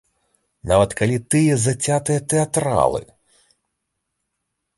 Нават калі тыя зацятыя тэатралы.